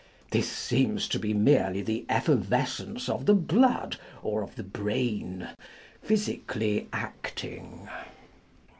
This 6eems to be merely the effervescence of the blood or of the brain, physically acting.